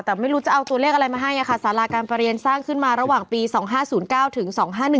แต่ไม่รู้จะเอาตัวเลขอะไรมาให้ค่ะสาราการประเรียนสร้างขึ้นมาระหว่างปี๒๕๐๙ถึง๒๕๑